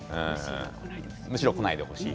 むしろ来ないでほしい。